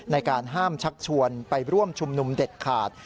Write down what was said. ในการห้ามชักชวนไปร่วมชุมนุมเด็ดขาด